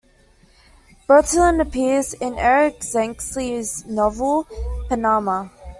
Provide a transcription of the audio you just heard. Bertillon appears in Eric Zencey's novel "Panama".